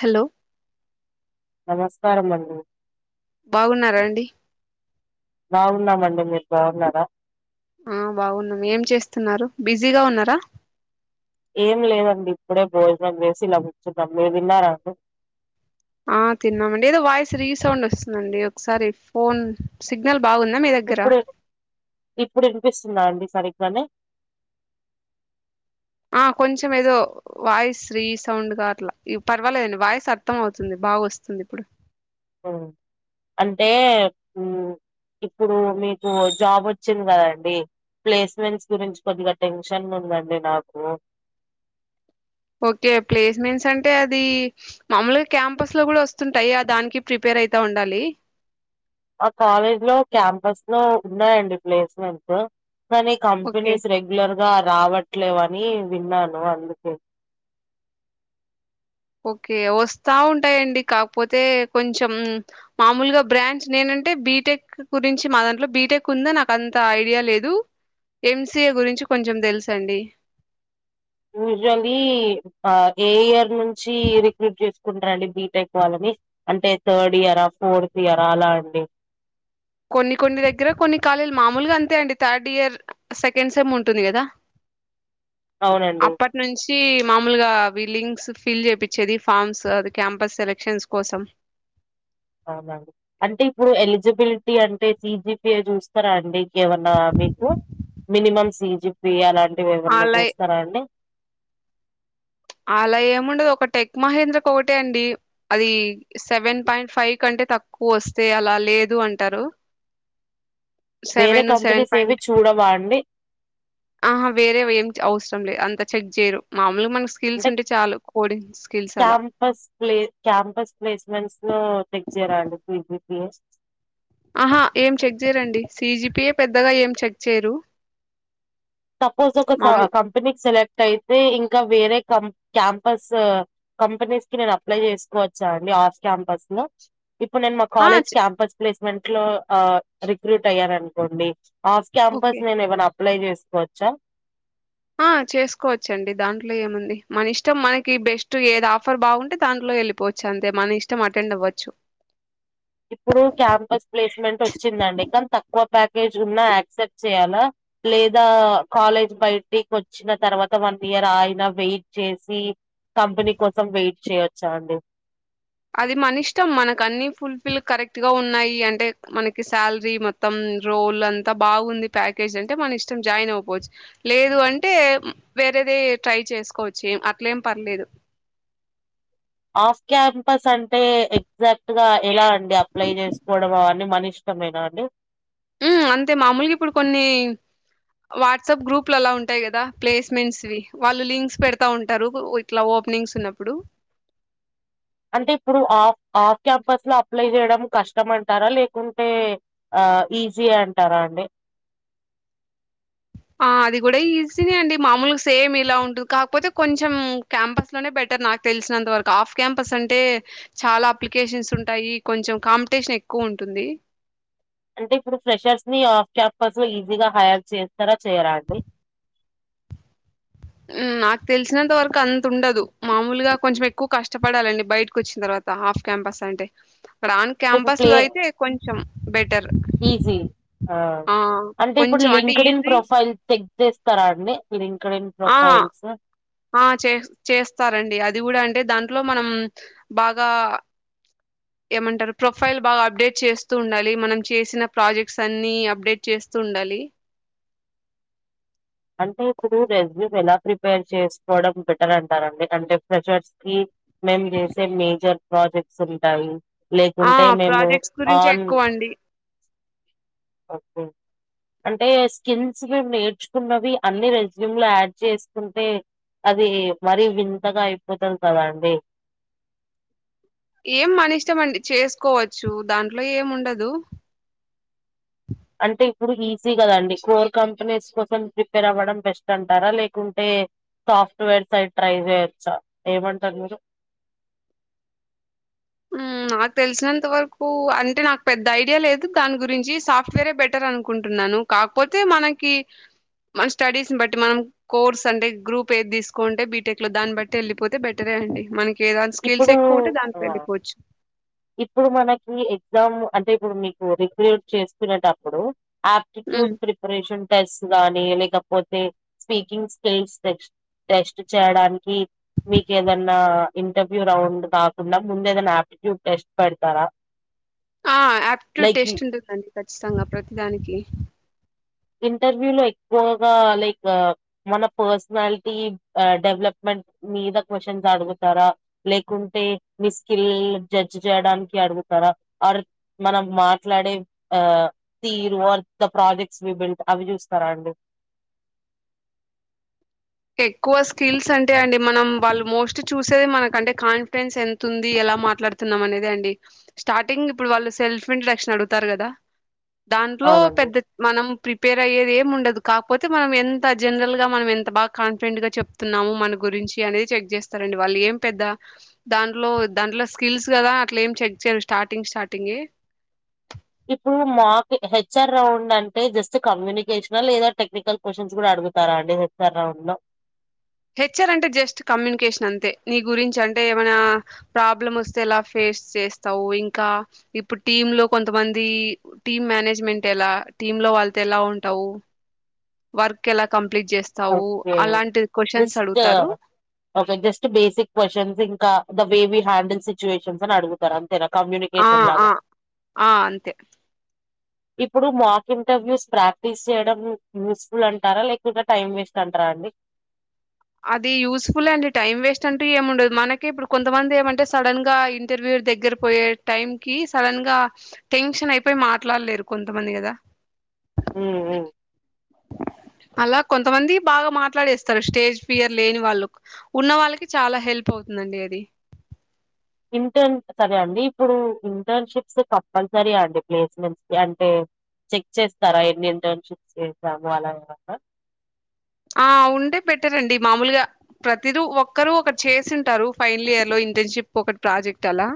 Hello నమస్కారం అండి బాగున్నారా అండి బాగున్నామండి మీరు బాగున్నారా ఆ బాగున్నాం ఏం చేస్తున్నారు బిజీగా ఉన్నరా ఏం లేదండి ఇప్పుడే భోజనం చేసి ఇల కూర్చున్నాం మీరు తిన్నారా అండి ఆ తిన్నామండి ఏదో వాయిస్ రీసౌండ్ వస్తుందండి ఒకసారి ఫోన్ సిగ్నల్ బాగుందా మీ దగ్గర ఇప్పుడు ఇప్పుడు వినిపిస్తుందా అండి సరిగ్గానే ఆ కొంచెం ఏదో వాయిస్ రీ సౌండ్ గా అట్లా పర్వాలేదండి వాయిస్ అర్థం అవుతుంది బాగా వస్తుంది ఇప్పుడు అంటే ఇప్పుడు మీకు జాబ్ వచ్చింది కదండి ప్లేస్మెంట్స్ గురించి కొద్దిగా టెన్షన్ గా ఉందండి నాకు ఓకే ప్లేస్మెంట్స్ అంటే అది మామూలుగా క్యాంపస్ లో కూడా వస్తుంటాయి ఆ దానికి ప్రిపేర్ అయితా ఉండాలి ఆ కాలేజ్ లో క్యాంపస్ లో ఉన్నాయండి ప్లేస్మెంట్స్ కానీ ఓకే కంపెనీస్ రె రెగ్యులర్ గా రావట్లేవని విన్నాను అందుకే ఓకే వస్తాఉంటాయండి కాకపోతే కొంచెం మామూలుగా బ్రాంచ్ నేనంటే బీటెక్ గురించి మా దాంట్లో బీటెక్ ఉందా నాకు అంత ఐడియా లేదు ఎంసీఏ గురించి కొంచెం తెలుసండి యూజువలీ ఆ ఏ ఇయర్ నుంచి రిక్రూట్ చేసు ఉంటారండి బీటెక్ వాళ్ళని అంటే థర్డ్ ఇయరా ఫోర్త్ ఇయరా అలా అండి కొన్ని కొన్ని దగ్గర కొన్ని కాళీలు మామూలుగా అంతే అండి థర్డ్ ఇయర్ సెకండ్ సెమ్ ఉంటుంది కదా అవునండి నుంచి మామూలుగా అవి లింక్స్ ఫిల్ చేపిచ్చేది ఫామ్స్ అది క్యాంపస్ సెలక్షన్స్ కోసం అవునండి అంటే ఇప్పుడు ఎలిజిబిలిటీ అంటే సిజిపిఏ చూస్త స్తారా అండి ఇంకేమన్నా మీకు మినిమం సీజ్ పిఏ అలాంటివి ఎవన్నా అలా చూస్తారా అండి అలా ఏముండదు ఒక టెక్ మహేంద్ర ఓకటే అండి అది సెవెన్ పాయింట్ ఫైవ్ కంటే తక్కువ వస్తే అలా లేదు అంటారు వేరే సెవెన్ సెవెన్ కంపెనీస్ పాయింట్ ఏవి చూడవా అండి ఆహా వేరే వేం అవసరం లేదు అంత చెక్ చేయరు మామూలుగా మన స్కిల్స్ ఉంటే చాలు కోడింగ్ స్కిల్స్ అలా ఫస్ట్ ప్లే క్యాంపస్ ప్లేస్మెంట్స్ లో చెక్ చేయరా అండి సిజిపిఏ ఆహా ఏం చెక్ చేయరండి సిజిపిఎ పెద్దగా ఏం చెక్ చేయరు సపోజ్ ఒక ఆ మామూలు కంపెనీకి సెలెక్ట్ అయితే ఇంకా వేరే కం క్యాంపస్ కంపెనీస్ కి నేను అప్లై చేసుకోవచ్చా అండి ఆఫ్ క్యాంపస్ లో ఇప్పుడు నేను మా ఆ! కాలేజ్ చ్ క్యాంపస్ ప్లేస్మెంట్ లో ఆ రిక్రూట్ అయ్యను అనుకోండి ఆఫ్ ఓకే. క్యాంపస్ నేను ఏమైనా అప్లై చేసుకోవచ్చా ఆ చేసుకోవచ్చండి దాంట్లో ఏముంది మన ఇష్టం మనకి బెస్ట్ ఏద ఆఫర్ బాగుంటే దాంట్లో వెళ్ళిపో చ్చు అంతే మన ఇష్టం అటెండ్ అవ్వచ్చు ఇప్పుడు క్యాంపస్ ప్లేస్మెంట్ వచ్చిందండి కానీ తక్కువ ప్యాకేజ్ ఉన్నా యాక్సెప్ట్ చేయ్యాలా లేదా కాలేజ్ బయటికి వచ్ వచ్చిన తర్వాత వన్ ఇయర్ ఆయిన వెయిట్ చేసి కంపెనీ కోసం వెయిట్ చేయొచ్చా అండి అది మన ఇష్టం మనకు అన్ని ఫుల్ ఫిల్ కరెక్ట్ గా ఉన్నాయి అంటే మనకి శాలరీ మొత్తం మొత్తం రోల్ అంతా బాగుంది ప్యాకేజ్ అంటే మన ఇష్టం జాయిన్ అయిపోవచ్చు లేదు అంటే వేరేది ట్రై చేసుకోవచ్చు ఎం అట్లేం పర్లేదు ఆఫ్ క్యాంపస్ అంటే ఎగ్జాక్ట్ గా ఎలా అండి అప్లై చేసుకోవడం అవన్నీ మనిష్ట ష్టమేనా అండి ఉం అంతే మామూలుగా ఇప్పుడు కొన్ని వాట్సాప్ గ్రూప్ లు అలా ఉంటాయి కదా ప్లేస్మెంట్స్వి వాళ్ళు లింక్స్ పెడతా ఉంటారు ఇట్లా ఓపెనింగ్స్ ఉన్నప్పుడు అంటే ఇప్పుడు ఆఫ్ ఆఫ్ క్యాంపస్ లో అప్లై చేయడం కష్టం అంటారా లేకుంటే ఆ ఈజీ అంటారా అండి ఆ అది కూడా ఈజీనే అండి మామూలుగా సేమ్ ఇలా ఉంటుంది కాకపోతే కొంచెం క్యాంపస్ లోనే బెటర్ నాకు తెలిసినంతవరకు ఆఫ్ క్యాంపస్ అంటే చాలా అప్లికేషన్స్ ఉంటాయి కొంచెం కాంపిటేషన్ ఎక్కువ ఉంటుంది అంటే ఇప్పుడు ఫ్రెషర్స్ ని ఆఫ్ క్యాంపస్ ఈజీగా హైర్ చేస్తారా చేయరండి ఉం నాకు తెలిసినంత వరకు అంత ఉండదు మామూలుగా కొంచెం ఎక్కువ కష్టపడాలండి బయటకు వచ్చిన తర్వాత హాఫ్ క్యాంపస్ అంటే ప్రాంక్ ఆన్ ఇప్పుడు క్యాంపస్ ప్లే లో అయితే కొంచెం బెటర్, ఈజీ ఆ అంటే ఇప్పుడు కొంచెం అంటే LinkedIn easy profile check చేస్తా, రండి లింక్డ్ ఇన్ ఆ ప్రొఫైల్స్ ఆ చే చేస్తారండి అది కూడా అంటే దాంట్లో మనం బాగా, ఏమంటారు ప్రొఫైల్ బాగా అప్డేట్ చేస్తూ ఉండాలి మనం చేసిన ప్రాజెక్ట్స్ అన్ని అప్డేట్ చేస్తూ ఉండాలి. అంటే ఇప్పుడు రెజ్యూమ్ ఎలా ప్రిపేర్ చేసుకోవడం బెటర్ అంటారండి అంటే ప్రెషర్స్ కి, మేమ్ జేసే మేజర్ ప్రాజెక్ట్స్ ఉంటాయి. ఆ లేకుంటే మేము ప్రాజెక్ట్స్ గురించే ఆన్. ఎక్కువ అండి అంటే స్కిల్స్ మేము నేర్చు, న్నవి అన్ని రెజమ్లు యాడ్ చేసుకుంటే, అది మరీ వింతగా అయిపోతుంది కదా అండి. ఏం మాని ఇష్టం అండి చేసుకోవచ్చు దాంట్లో ఏం ఉండదు. అంటే ఇప్పుడు ఈజీ కదండి కోర్ కంపెనీస్ కోసం ప్రిపేర్ అవ్వడం బెస్ట్ అంటారా లేకుంటే, సాఫ్ట్వేర్స్ అయి ట్రై చేయొచ్చా ఏమంటారు మీరు, నాకు తెలిసినంత వరకు అంటే నాకు పెద్ద ఐడియా లేదు దాని గురించి సాఫ్ట్వేరే బెటర్, ర్ అనుకుంటున్నాను కాకపోతే మనకి మన స్టడీస్ ని బట్టి మనం, కోర్స్ అంటే గ్రూప్ ఏది తీసుకోంటే బీటెక్ లో దాన్ని బట్టి వెళ్ళిపోతే బెటరే అండి మనకి, వేదాని స్కిల్స్ ఇప్పుడు ఎక్కువ ఉంటే దానికి ఆ! వెళ్లు పోవచ్చు. ఇప్పుడు మనకి ఎగ్జామ్ అంటే ఇప్పుడు మీకు రెగ్యులేట్ చేసుకునేటప్పుడుప్, ఉమ్ ఇస్ట్యూట్ ప్రిపరేషన్ టెస్ట్ గానీ లేకపోతే స్పీకింగ్ స్కిల్స్ టెస్ట్. టెస్ట్ చేయడానికి మీకేదన్నా, ఇంటర్వ్యూ రౌండ్ కాకుండా ముంద ఏదైనా యాప్టిట్యూడ్ టెస్ట్ పెడతారా. ఆ ఆప్టిట్యూడ్ లైక్ టేస్ట్ ఉంటుందండి ఖచ్చితంగా ప్రతిదానికి, ఇంటర్వ్యూ లో ఎక్కువగా లైక్, మన పర్సనాలిటీ డెవలప్మెంట్ మీద క్వశ్చన్స్ అడుగుతారా, లేకుంటే మీ స్కిల్ జడ్జ్ చేయడానికి అడుగుతారా అ మనం మాట్లాడే ఆ తీరు ఆర్ ద ప్రాజెక్ట్. సి బెల్ట్ అవి చూస్తారా అండి. ఎక్కువ స్కిల్స్ అంటే అండి మనం వాళ్ళు మోస్ట్లీ చూసేది మనకు అంటే కాన్ఫిడెన్స్ ఎంత, తుంది ఎలా మాట్లాడుతున్నాం అనేది అండి. స్టార్టింగ్ ఇప్పుడు వాళ్ళు సెల్ఫ్ ఇంటడక్షన్ అడుగుతారు కదా దాంట్లో అవునండి పెద్ద, మనం ప్రిపేర్ అయ్యేది ఏం ఉండదు కాకపోతే మనం ఎంత జనరల్ గా మనం ఎంత బాగా, కాన్ఫిడెంట్ గా చెప్తున్నాము మన గురించి అనేది చెక్ చేస్తారండి వాళ్ళు ఏం పెద్ద, దాంట్లో దాంట్లో స్కిల్స్ కదా అట్లా ఏం చెక్ చేయరు స్టార్టింగ్ స్టార్టింగ, ఇప్పుడు మాకు హెచ్ఆర్ రౌండ్ అంటే జస్ట్ కమ్యూనికేషనల్ లేదా టెక్నికల్, క్వశ్చన్స్ కూడా అడుగుతారా అడి హెర్ రౌండ్ లో, హెచ్ఆర్ అంటే జస్ట్ కమ్యూనికేషన్ అంతే నీ గురించి అంటే ఏమైనా ప్రాబ్లమ్ వస్తే ఎలా ఫేస్ చేస్తావు ఇంకా ఇప్పుడు టీమ్ లో కొంతమంది, టీమ్ మేనేజ్మెంట్ ఎలా టీమ్ లో వాళ్ళతో ఎలా ఉంటావు. వర్క్ ఎలా కంప్లీట్ చేస్తావు అలాంటి, క్వశ్చన్స్ నిష్ట అడుగుతారు ఒక జస్ట్ బేసిక్ క్వశ్చన్స్ ఇంకా the way we handle situations అని అడుగుతుంది. అంతేనా ఆ కమ్యునికేషన్ ఆ లాగా, ఆ అంతే ఇప్పుడు మాక్ ఇంటర్వ్యూస్ ప్రాక్టీస్ చేయడం యూస్ఫుల్ అంటారా లేకుంట, టైం వేస్ట్ అంటారాండి అది యూజ్ఫుల్ అండి టైం వేస్ట్ అంటూ ఏం ఉండదు మనకే ఇప్పుడు కొంతమంది ఏమంటే సడన్ గా ఇంటర్వ్యూ దగ్గర పోయే టైం కి సడన్ గా టెన్షన్ అయిపోయి మాట్లాడలేరు కొంతమంది కదా ఉ ఉ అలా కొంతమంది బాగా మాట్లాడేస్తారు స్టేజ్ ఫియర్ లేని వాళ్ళు ఉన్న వాళ్ళకి చాలా హెల్ప్ అవుతుందండి అది ఇంటర్న్ సరే అండి ఇప్పుడు ఇంటర్న్షిప్స్ కంపల్సరీ అండి ప్లేస్మెంట్స్ కి అంటే చెక్ చేస్తారా ఎన్ని ఇంటర్న్షిప్స్ చేసాము అలా ఏమన్నా ఆ ఉంటే పెట్టారండి మామూలుగా ప్రతిదు ఒక్కరూ ఒకటి చేసింటారు ఫైనల్ ఇయర్ లో ఇంటర్న్షిప్ ఒకటి ప్రాజెక్ట్ అలా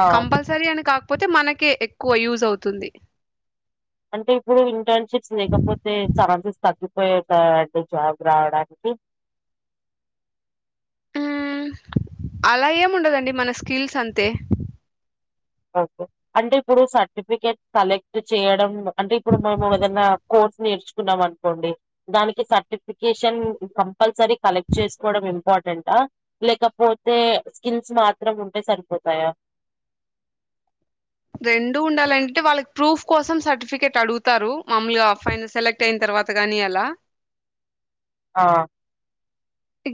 ఆ కంపల్సరీ అని కాకపోతే మనకే ఎక్కువ యూజ్ అవుతుంది అంటే ఇప్పుడు ఇంటర్న్షిప్స్ లేకపోతే ఛాన్సెస్ తగ్గిపోయాయంటారండి జాబ్స్ రావడానికి మ్మ్. అలా ఏం ఉండదండి మన స్కిల్స్ అంతే ఓకే అంటే ఇప్పుడు సర్టిఫికెట్ కలెక్ట్ చేయడం అంటే ఇప్పుడు మేము ఏదన్న కోర్స్ నేర్చుకున్నాం అనుకోండి దానికి సర్టిఫికేషన్ కంపల్సరీ కలెక్ట్ చేసుకోవడం ఇంపార్టెంటా లేకపోతే స్కిల్స్ మాత్రం ఉంటే సరిపోతాయా రెండు ఉండాలంటే వాళ్ళకి ప్రూఫ్ కోసం సర్టిఫికేట్ అడుగుతారు మమ్మలుగా ఫైల్ సెలెక్ట్ టెన్ అయిన తర్వాతగాని అలా హా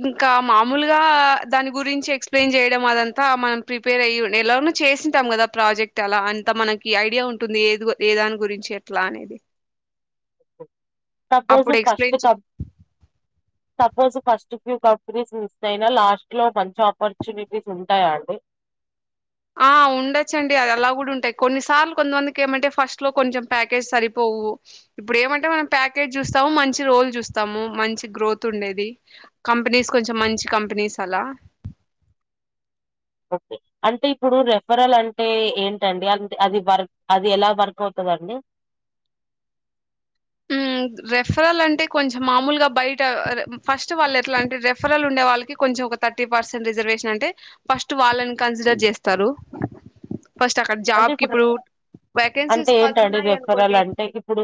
ఇంకా మామూలుగా దాని గురించి ఎక్స్ప్లెయిన్ చేయడం అదంతా మనం ప్రిప్ ప్రిపేర్ అయ్యి ఎలానో చేసింటాం కదా ప్రాజెక్ట్ అలా అంత మనకి ఐడియా ఉంటుంది ఏది ఏ దాని గురించి చె ప్లానేది సపోజ్ అప్పుడు ఫస్ట్ ఎక్స్ప్లెయిన్ చే కబ్ suppose first few companies miss అయినా లాస్ట్ లో మంచి ఆపర్చునిటీస్ ఉంటాయండి ఆ ఉండొచ్చండి అది అలా కూడా ఉంటాయి కొన్నిసార్లు కొంతమందికి ఏమంటే ఫస్ట్ లో కొంచెం ప్యాకేజ్ సరిపోవు ఇప్పుడు ఏమంటే మనం ప్యాకేజ చూస్తాము మంచి రోల్ చూస్తాము మంచి గ్రోత్ ఉండేది కంపెనీస్ కొంచెం మంచి కంపెనీస్ అలా ఓకే అంటే ఇప్పుడు రెఫరల్ అంటే ఏంటండి అంతె అది వర్క్ అది ఎలా వర్కవుతాదండి ఉ రెఫరల్ అంటే కొంచెం మామూలుగా బయట ఫస్ట్ వాళ్ళు ఎట్లా అంటే రెఫరల్ ఉండే వాళ్ళకి కొంచెం ఒక థర్టీ పర్సెంట్ రిజర్వేషన్ అంటే ఫస్ట్ వాళ్ళని కన్సిడర్ చేస్తారు ఫస్ట్ అక్కడ జాబ్ కి ఇప్పుడు వాకన్సీస్ పదున్నాయి అనుకోండి ఎట్ ఇప్పుడు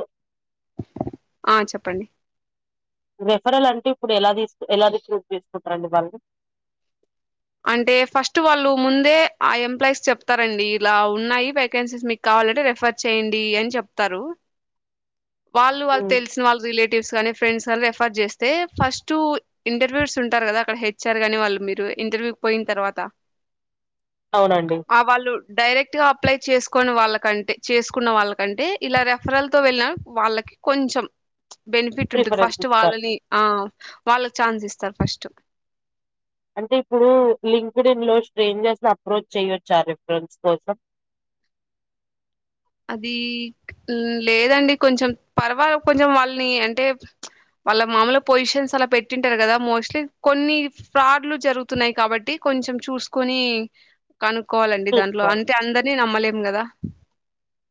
ఆ చెప్పండి రిఫరల్ అంటే ఇప్పుడు ఎలా తీసు ఎలా రిక్రూట్ చేసుకుంటారండి వాళ్ళు ఇప్పుడు అంటే ఫస్ట్ వాళ్ళు ముందే ఆ ఎంప్లాయీస్ చెప్తారండి ఇలా ఉన్నాయి వేకెన్సీస్ మీక్ కావాలంటే రెఫర్ చేయండి అని చెప్తారు వాళ్ళు వాళ్ళ తెలిసిన వాళ్ళ రిలేటివ్స్ గానీ ఫ్రెండ్స్ కానీ రెఫర్ చేస్తే ఫస్ట్ ఇంటర్వ్యూస్ ఉంటారు కదా అక్కడ హెచ్ఆర్ కాని వాళ్ళు మీరు ఇంటర్వ్యూ పోయిన తర్వాత అవునండి ఆ వాళ్ళు డైరెక్ట్గా అప్లై చేసుకోని వాళ్ళకంటే చేసుకున్న వాళ్ళకంటే ఇలా రెఫరల్ తొ వెళ్ళిన వాళ్ళ కొంచెం బెనిఫిట్ ఉంటుంది ప్రిఫరెన్స్ ఫస్ట్ ఇస్తారు వాళ్ళని ఆ వాళ్ళకి ఛాన్స్ ఇస్తారు ఫస్ట్ అంటే ఇప్పుడు లింక్డ్ ఇన్ లో స్ట్రేంజర్స్ ని అప్రోచ్ చేయొచ్చా రిఫరెన్స్ కోసం అది లేదండి కొంచెం పర్వాల కొంచెం వాళ్ళని అంటే వాళ్ళ మామూలు పొజిషన్స్ అలా పెట్టింటారు కదా మోస్ట్లీ కొన్ని ఫ్రాడ్లు జరుగుతున్నాయి కాబట్టి కొంచెం చూసుకొని కనుక్కోవాలండి దాంట్లో చూసుకోవాలి అంటే అందరినీ నమ్మలేం కదా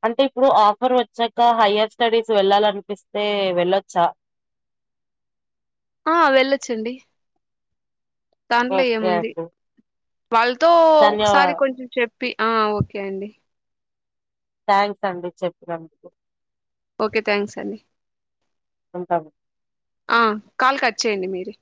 అంటే ఇప్పుడు ఆఫర్ వచ్చాక హయర్ స్టడీస్ వెళ్ళాలనిపిస్తే వెళ్ళచ్చా? ఆ వెళ్ళొచ్చండి దాంట్లో ఓకే ఏముంది అండి వాళ్ళతో ధన్యవా ఒకసారి కొంచెం చెప్పి, ఆ ఓకే అండి. థ్యాంక్స్ అండి చెప్పినందుకు. ఓకె థ్యాంక్స్ అండి. ఉంటాము. ఆ కాల్ కట్ చేయండి మీరే.